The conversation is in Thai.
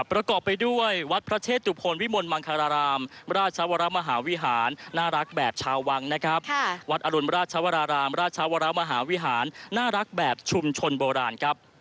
ประกอบไปด้วยวัดพระเชตุพลวิมลมังคารารามราชวรมหาวิหารน่ารักแบบชาววังนะครับวัดอรุณราชวรารามราชวรมหาวิหารน่ารักแบบชุมชนโบราณครับ